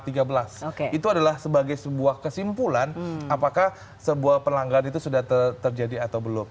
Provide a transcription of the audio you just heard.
itu adalah sebagai sebuah kesimpulan apakah sebuah pelanggaran itu sudah terjadi atau belum